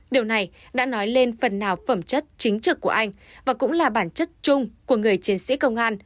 điều này đã nói lên phần nào phẩm chất chính trực của anh và cũng là bản chất chung của người chiến sĩ công an